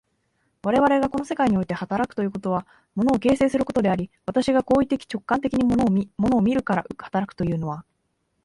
我々がこの世界において働くということは、物を形成することであり、私が行為的直観的に物を見、物を見るから働くというのは、